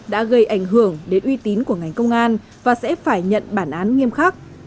đã gây ảnh hưởng đến uy tín của ngành công an và sẽ phải nhận bản án nghiêm khắc